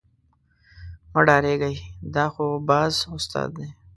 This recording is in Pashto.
مه ډارېږئ دا خو باز استاد دی.